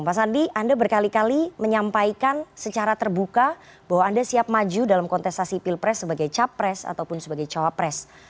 pak sandi anda berkali kali menyampaikan secara terbuka bahwa anda siap maju dalam kontestasi pilpres sebagai capres ataupun sebagai cawapres